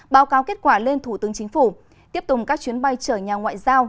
báo cáo kết quả lên thủ tướng chính phủ tiếp tục các chuyến bay chở nhà ngoại giao